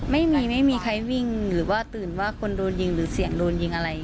ไม่มีใครวิ่งหรือว่าตื่นว่าคนโดนยิงหรือเสียงโดนยิงอะไร